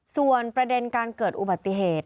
ส่วนประเด็นการเกิดอุบัติเหตุ